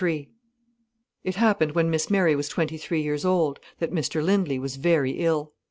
III It happened when Miss Mary was twenty three years old, that Mr Lindley was very ill.